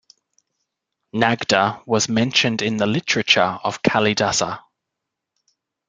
Nagda was mentioned in the literature of Kalidasa.